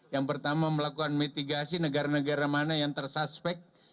yang pertama melakukan mitigasi negara negara mana yang tersuspek